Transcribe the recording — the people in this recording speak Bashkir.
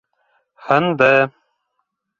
Һынды...